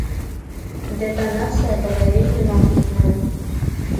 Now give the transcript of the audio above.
Дэтанацыя была вельмі магутная.